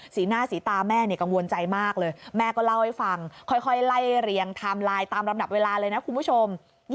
สีหน้าสีตาแม่กังวลใจมากเลยแม่ก็เล่าให้ฟังค่อยไล่เรียงไทม์ไลน์ตามลำดับเวลาเลยนะคุณผู้ชม